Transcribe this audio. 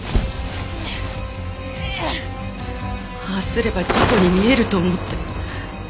ああすれば事故に見えると思って。